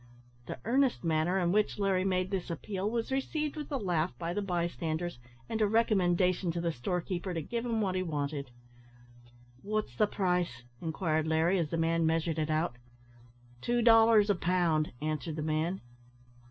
The earnest manner in which Larry made this appeal was received with a laugh by the bystanders, and a recommendation to the store keeper to give him what he wanted. "What's the price?" inquired Larry, as the man measured it out. "Two dollars a pound," answered the man.